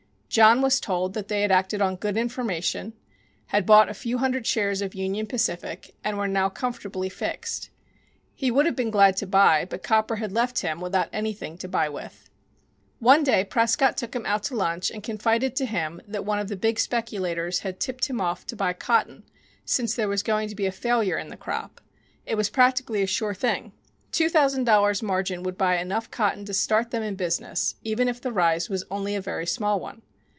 John was told that they had acted on "good information," had bought a few hundred shares of Union Pacific, and were now comfortably fixed. He would have been glad to buy, but copper had left him without anything to buy with. One day Prescott took him out to lunch and confided to him that one of the big speculators had tipped him off to buy cotton, since there was going to be a failure in the crop. It was practically a sure thing. Two thousand dollars' margin would buy enough cotton to start them in business, even if the rise was only a very small one.